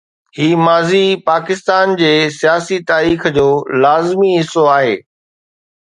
هي ماضي پاڪستان جي سياسي تاريخ جو هڪ لازمي حصو آهي.